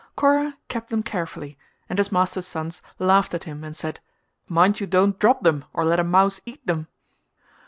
Kora kept them carefully, and his master's sons laughed at him and said "Mind you don't drop them or let a mouse eat them."